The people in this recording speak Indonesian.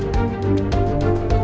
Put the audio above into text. sampai jumpa lagi